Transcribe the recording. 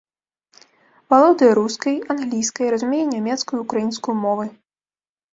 Валодае рускай, англійскай, разумее нямецкую, украінскую мовы.